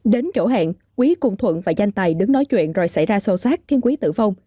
đến chỗ hẹn quý cùng thuận và danh tài đứng nói chuyện rồi xảy ra sâu sát thiên quý tử vong